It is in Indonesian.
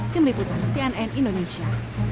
kemiliputan cnn indonesia